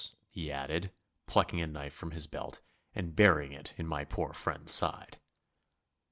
he added, plucking a knife from his belt and burying it in my poor friend's side.